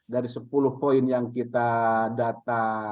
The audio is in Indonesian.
dari sepuluh poin yang kita data